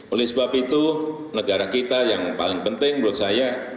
oleh sebab itu negara kita yang paling penting menurut saya